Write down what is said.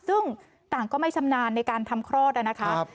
ซึ่งต่างก็ไม่ชำนาญในการทำคลอดนะคะ